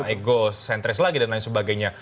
egocentris lagi dan lain sebagainya